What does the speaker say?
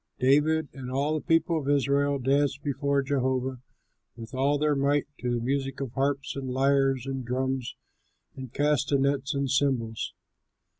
David and all the people of Israel danced before Jehovah with all their might to the music of harps and lyres and drums and castanets and cymbals.